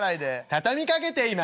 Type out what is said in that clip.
「畳みかけています」。